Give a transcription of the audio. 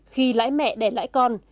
khi lãi mẹ đẻ lãi con